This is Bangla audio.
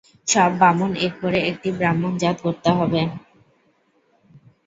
সব বামুন এক করে একটি ব্রাহ্মণজাত গড়তে হবে।